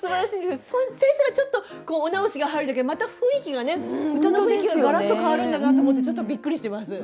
先生がちょっとお直しが入るだけでまた雰囲気がね歌の雰囲気がガラッと変わるんだなと思ってちょっとびっくりしてます。